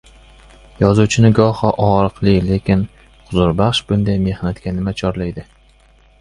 Yozuvchini goho ogʻriqli, lekin huzurbaxsh bunday mehnatga nima chorlaydi?